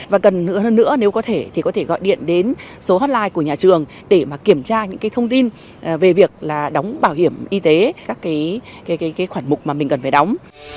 và gần hơn nữa nếu có thể thì có thể gọi điện đến số hotline của nhà trường để mà kiểm tra những thông tin về việc là đóng bảo hiểm y tế các khoản mục mà mình cần phải đóng